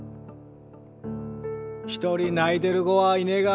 一人泣いてる子はいねが。